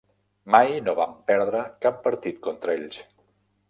Mai no vam perdre cap partit contra ells.